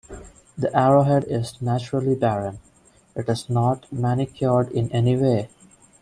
The arrowhead is naturally barren; it is not manicured in any way.